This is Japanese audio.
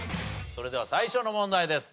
それでは最初の問題です。